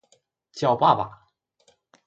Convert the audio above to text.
叫爸爸